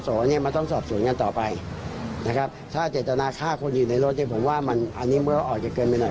เนี่ยมันต้องสอบสวนกันต่อไปนะครับถ้าเจตนาฆ่าคนอยู่ในรถเนี่ยผมว่ามันอันนี้เมื่อออกจะเกินไปหน่อย